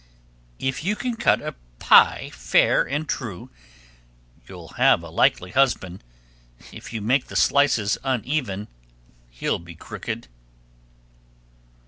_ 1309. If you can cut a pie fair and true, you'll have a likely husband. If you make the slices uneven, he'll be crooked.